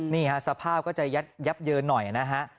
นี่ฮะสภาพก็จะยับเยินหน่อยนะฮะ